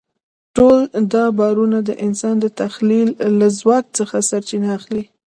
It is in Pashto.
ټول دا باورونه د انسان د تخیل له ځواک څخه سرچینه اخلي.